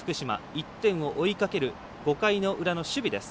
１点を追いかける５回の裏の守備です。